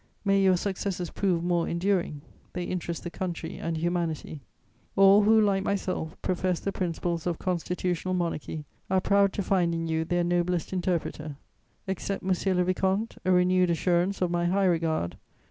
May your successes prove more enduring: they interest the country and humanity. "All who, like myself, profess the principles of constitutional monarchy, are proud to find in you their noblest interpreter. "Accept, monsieur le vicomte, a renewed assurance of my high regard.